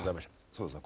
そうですね。